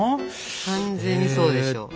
完全にそうでしょ今の。